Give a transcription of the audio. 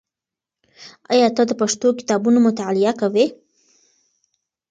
آیا ته د پښتو کتابونو مطالعه کوې؟